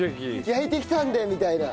「焼いてきたんで」みたいな。